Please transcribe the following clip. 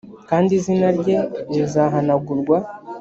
kandi izina rye rizahanagurwa